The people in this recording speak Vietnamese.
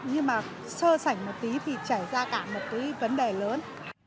nhưng mà sơ sảnh một tí thì chảy ra cả một cái vấn đề lớn